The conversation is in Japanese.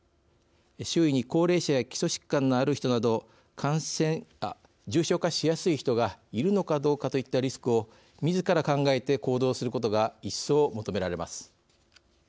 周囲に高齢者や基礎疾患のある人など重症化しやすい人がいるのかどうかといったリスクをみずから考えて行動することが一層求められます。